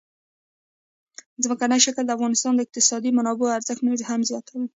ځمکنی شکل د افغانستان د اقتصادي منابعو ارزښت نور هم زیاتوي.